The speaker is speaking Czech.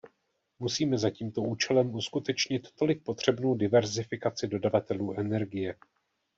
Musíme za tímto účelem uskutečnit tolik potřebnou diverzifikaci dodavatelů energie.